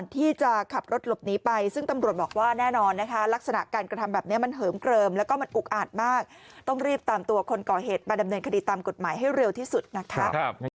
ที่เร็วที่สุดนะครับ